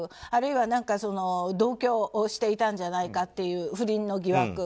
あるいは同居をしていたんじゃないかという不倫の疑惑。